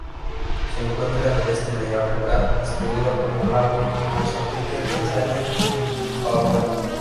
Se encuentra en el este de África, distribuida por Malawi, Mozambique, Tanzania y Zimbabue.